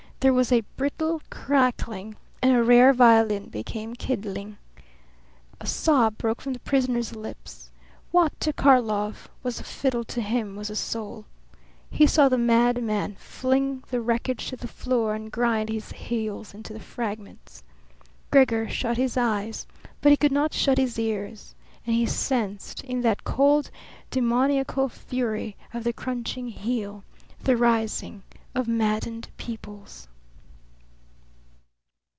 There was brittle crackling, and a rare violin became kindling. A sob broke from the prisoner's lips. What to Karlov was a fiddle to him was a soul. He saw the madman fling the wreckage to the floor and grind his heels into the fragments. Gregor shut his eyes, but he could not shut his ears; and he sensed in that cold, demoniacal fury of the crunching heel the rising of maddened peoples.